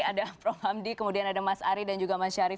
ada prof hamdi kemudian ada mas ari dan juga mas syarif